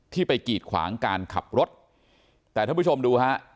ที่ไปกีดขวางการขับรถแต่ท่านผู้ชมดูฮะ